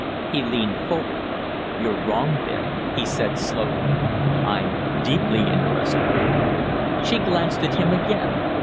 He leaned forward. "You're wrong there," he said, slowly. "I'm deeply interested." She glanced at him again.